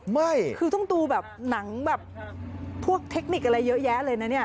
ไม่คือต้องดูแบบหนังแบบพวกเทคนิคอะไรเยอะแยะเลยนะเนี่ย